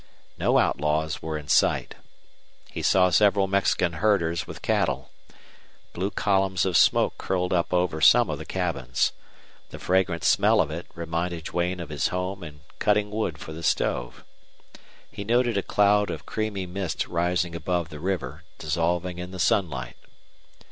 No outlaws were in sight. He saw several Mexican herders with cattle. Blue columns of smoke curled up over some of the cabins. The fragrant smell of it reminded Duane of his home and cutting wood for the stove. He noted a cloud of creamy mist rising above the river, dissolving in the sunlight.